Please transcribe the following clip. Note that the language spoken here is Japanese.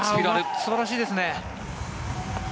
素晴らしいですね。